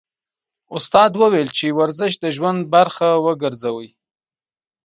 استاد وویل چې ورزش د ژوند برخه وګرځوئ.